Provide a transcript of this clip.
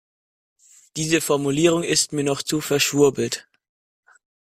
Diese Formulierung ist mir noch zu verschwurbelt.